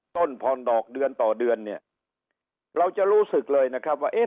ต้นผ่อนดอกเดือนต่อเดือนเนี่ยเราจะรู้สึกเลยนะครับว่าเอ๊ะ